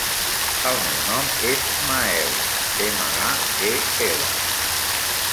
El meu nom és Mael: ema, a, e, ela.